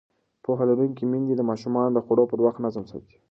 پوهه لرونکې میندې د ماشومانو د خوړو پر وخت نظم ساتي.